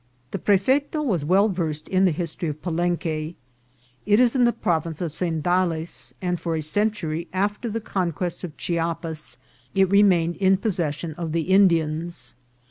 The prefeto was well versed in the history of Palen que. It is in the province of Tzendales, and for a cen tury after the conquest of Chiapas it remained in pos session of the Indians.